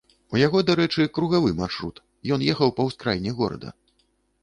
У яго, дарэчы, кругавы маршрут, ён ехаў па ўскраіне горада.